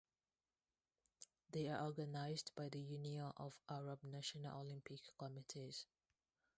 They are organized by the Union of Arab National Olympic Committees.